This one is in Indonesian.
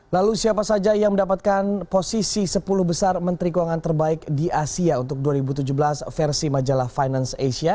lalu siapa saja yang mendapatkan posisi sepuluh besar menteri keuangan terbaik di asia untuk dua ribu tujuh belas versi majalah finance asia